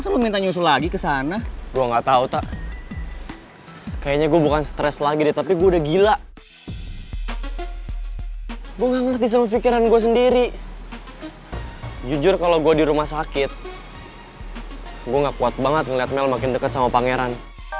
gue gak kuat banget ngeliat mel makin deket sama pangeran